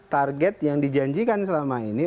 target yang dijanjikan selama ini